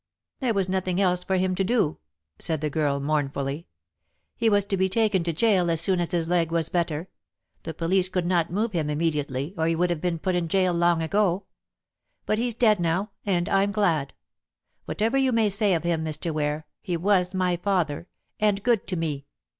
"There was nothing else for him to do," said the girl mournfully. "He was to be taken to gaol as soon as his leg was better. The police could not move him immediately, or he would have been put in gaol long ago. But he's dead now, and I'm glad. Whatever you may say of him, Mr. Ware, he was my father, and good to me.